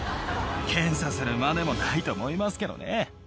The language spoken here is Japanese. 検査するまでもないと思いますけどね。